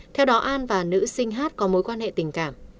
theo đó an và nữ sinh hát có mối quan hệ tình cảm